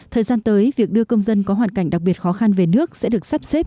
thời gian tới việc đưa công dân có hoàn cảnh đặc biệt khó khăn về nước sẽ được sắp xếp